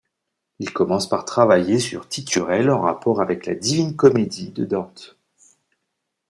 Il commence par travailler sur Titurel en rapport avec la Divine Comédie de Dante.